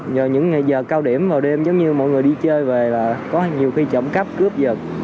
nhờ những ngày giờ cao điểm vào đêm giống như mọi người đi chơi về là có nhiều khi trộm cắp cướp giật